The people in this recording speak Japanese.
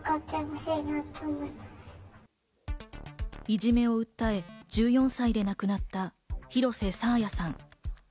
いじめを訴え、１４歳で亡くなった廣瀬爽彩さん。